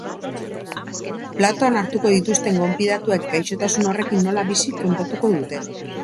Platoan hartuko dituzten gonbidatuek gaixotasun horrekin nola bizi kontatuko dute.